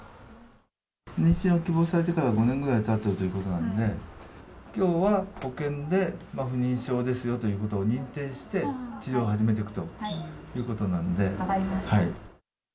妊娠を希望されてから５年くらいたっているということなので、きょうは保険で、不妊症ですよということを認定して、治療を始めていくということ分かりました。